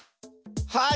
はい！